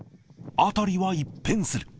辺りは一変する。